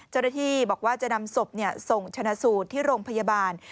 เจ้าหน้าที่บอกว่าจะนำศพส่งชนะสูตรที่โรงพยาบาล